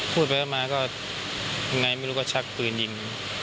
พูดไปออกมาไม่รู้ว่าชักปืนยิง